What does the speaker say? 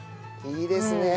いいですね。